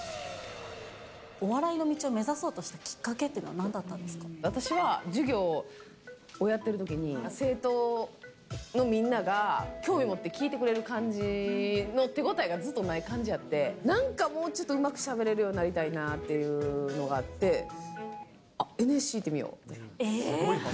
お笑いの道を目指そうとしたきっかけっていうのはなんだったんで私は授業をやってるときに、生徒のみんなが、興味持って聞いてくれる感じの手応えがずっとない感じやって、なんかもうちょっとうまくしゃべれるようになりたいなっていうのがあって、あっ、えー？